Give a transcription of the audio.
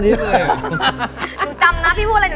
หนูจำนะพี่พูดอะไรหนูจำนะ